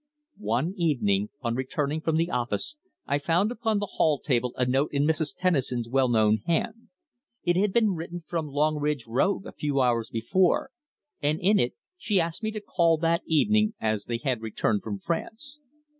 One evening, on returning from the office, I found upon the hall table a note in Mrs. Tennison's well known hand. It had been written from Longridge Road a few hours before, and in it she asked me to call that evening as they had returned from France.